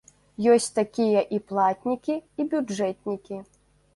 Ёсць такія і платнікі, і бюджэтнікі.